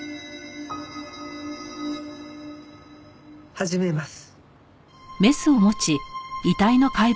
始めます。